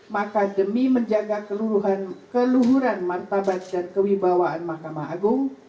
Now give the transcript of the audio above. maka demi menjaga keluhuran martabat dan kewibawaan mahkamah agung